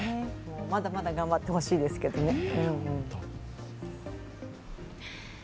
まだまだ頑張ってほしいですけども。